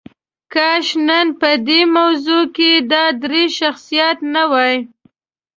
کاش نن په دې موضوع کې دا درې شخصیات نه وای.